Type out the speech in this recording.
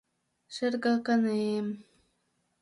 Шергаканем...